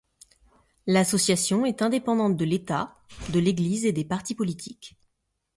L'association est indépendante de l’État, de l’Église et des partis politiques.